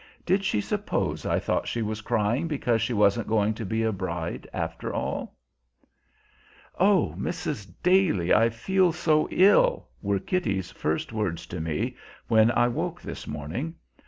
Did she suppose I thought she was crying because she wasn't going to be a bride, after all? "Oh, Mrs. Daly, I feel so ill!" were Kitty's first words to me when I woke this morning.